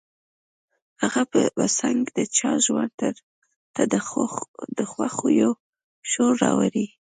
هغه به څنګه د چا ژوند ته د خوښيو شور راوړي.